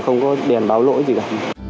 không có đèn báo lỗi gì cả